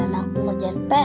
ya malah anakku lagi pr